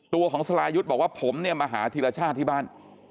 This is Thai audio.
ตัวของสรายุทธ์บอกว่าผมเนี่ยมาหาธีรชาติที่บ้าน